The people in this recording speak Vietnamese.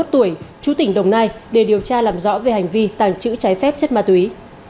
hai mươi một tuổi chú tỉnh đồng nai để điều tra làm rõ về hành vi tàng trữ trái phép chất ma túy